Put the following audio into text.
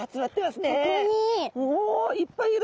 おいっぱいいる。